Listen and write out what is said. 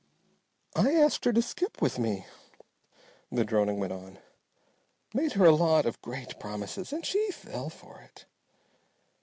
"I asked her to skip with me," the droning went on, "made her a lot of great promises, and she fell for it."